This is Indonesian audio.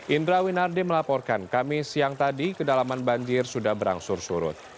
indra winardi melaporkan kami siang tadi kedalaman banjir sudah berangsur surut